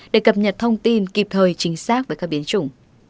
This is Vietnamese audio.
để cập nhật thông tin kịp thời chính xác với các biến chủng